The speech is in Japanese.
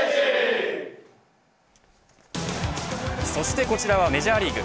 そしてこちらはメジャーリーグ。